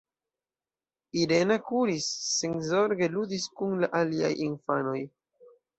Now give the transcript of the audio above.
Irena kuris, senzorge ludis kun la aliaj infanoj.